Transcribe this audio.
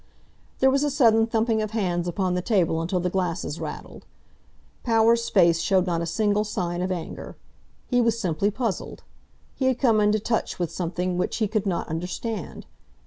There was a sudden thumping of hands upon the table until the glasses rattled. Power's face showed not a single sign of anger. He was simply puzzled. He had come into touch with something which he could not understand.